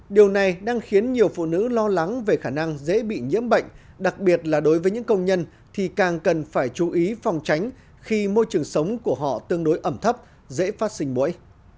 điều này đang khiến nhiều phụ nữ lo lắng về khả năng dễ bị nhiễm bệnh đặc biệt là đối với những công nhân thì càng cần phải chú ý phòng tránh khi môi trường sống của họ tương đối ẩm thấp dễ phát sinh mũi